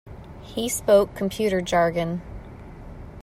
He spoke computer jargon.